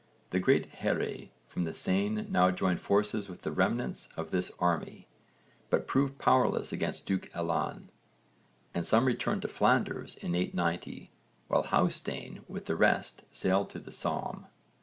The great here from the Seine now joined forces with the remnants of this army, but proved powerless against Duke Alan, and some returned to Flanders in 890, while Hásteinn with the rest sailed to the Somme.